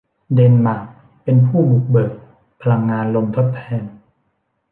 เดนมาร์กเป็นผู้บุกเบิกพลังงานลมทดแทน